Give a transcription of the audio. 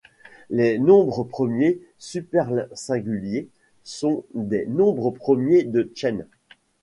Les nombres premiers supersinguliers sont des nombres premiers de Chen.